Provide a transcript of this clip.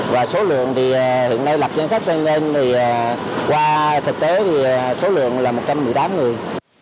và hiện nay lập chiến sách cho nên qua thực tế thì số lượng là một trăm một mươi tám người